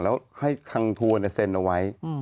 แล้วให้ทางทัวร์เซ็นเอาไว้